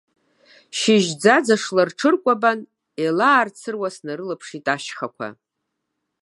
Шьыжь ӡаӡашла рҽыркәабан, еилаарцыруа снарылаԥшит ашьхақәа.